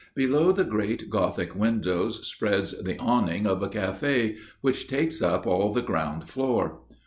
Below the great gothic windows spreads the awning of a café, which takes up all the ground floor.